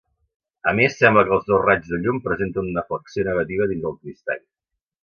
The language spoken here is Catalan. A més, sembla que els dos raigs de llum presenten una flexió negativa dins el cristall.